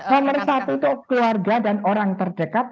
pemerintah itu keluarga dan orang terdekat